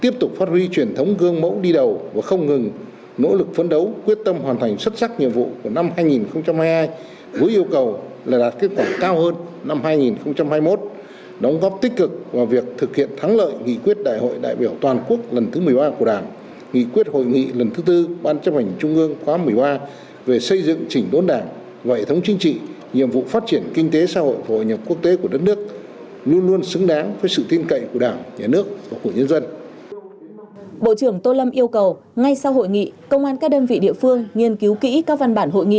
lực lượng công an nhân dân tiếp tục gương mẫu đi đầu trong tổ chức thực hiện nghị quyết đại hội đảng toàn quốc lần thứ một mươi ba quán triệt triển khai đồng bộ hiệu quả trên các lĩnh vực công an nhân dân